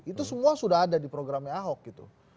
itu semua sudah ada di programnya ahok gitu